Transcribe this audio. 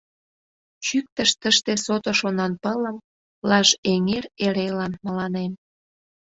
Чӱктыш тыште сото шонанпылым Лаж эҥер эрелан мыланем.